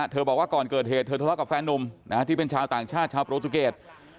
บอกว่าก่อนเกิดเหตุเธอทะเลาะกับแฟนนุ่มที่เป็นชาวต่างชาติชาวโปรตุเกต